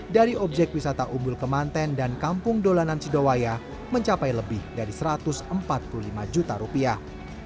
dari objek wisata umbul kemanten dan kampung dolanan sidowaya mencapai lebih dari satu ratus empat puluh lima juta rupiah